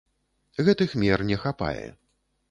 Гэтых мер не хапае.